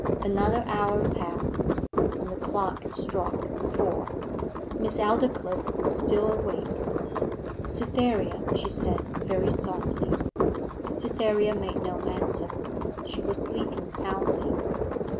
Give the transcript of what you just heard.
Another hour passed, and the clock struck four. Miss Aldclyffe was still awake. 'Cytherea,' she said, very softly. Cytherea made no answer. She was sleeping soundly.